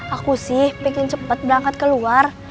aku sih pengen cepat berangkat keluar